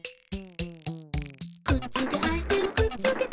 「くっつけアイテムくっつけて」